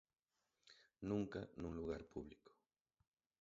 Nunca nun lugar público.